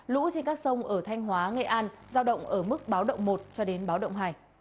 lũ trên các sông ở thanh hóa nghệ an giao động ở mức báo động một cho đến báo động hai